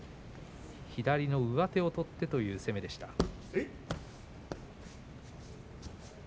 左の上手を取ってという攻めでした。